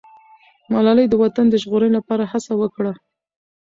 ملالۍ د وطن د ژغورنې لپاره هڅه وکړه.